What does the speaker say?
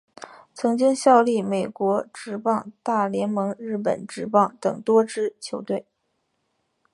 曾经效力美国职棒大联盟日本职棒等多支球队。